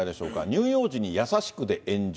乳幼児に優しくで炎上。